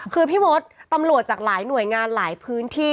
คือพี่มดตำรวจจากหลายหน่วยงานหลายพื้นที่